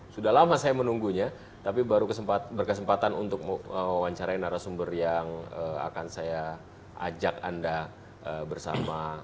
sudah lama saya menunggunya tapi baru berkesempatan untuk mewawancarai narasumber yang akan saya ajak anda bersama